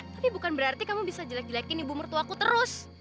tapi bukan berarti kamu bisa jelek jelekin ibu mertuaku terus